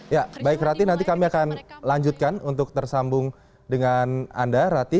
ya baik rati nanti kami akan lanjutkan untuk tersambung dengan anda rati